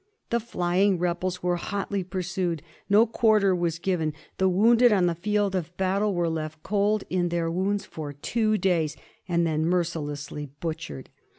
The flying rebels were hotly pursued — no quarter was given ; the wounded on the field of battle were left cold in their wounds for two days, and then mercilessly butch ered.